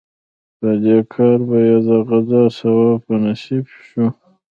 په دې کار به یې د غزا ثواب په نصیب شو.